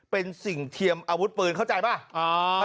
เป็นสิ่งเทียมอาวุธปืนเข้าใจป่ะ